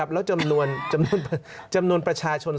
แล้วจำนวนประชาชน